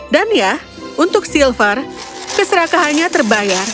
dan ya untuk silver keserakahannya terbayar